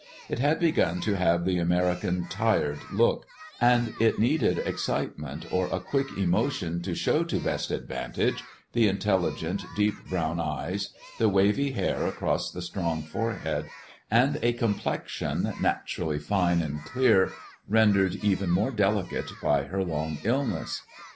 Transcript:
It had begun to have the American tired look, and it needed excitement or a quick emotion to show to best advantage the intelligent deep brown eyes, the wavy hair across the strong forehead, and a complexion, naturally fine and clear, rendered even more delicate by her long illness.